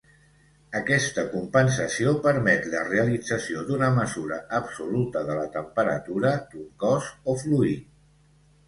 Aquesta compensació permet la realització d'una mesura absoluta de la temperatura d'un cos o fluid.